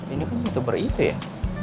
ini kan youtuber itu ya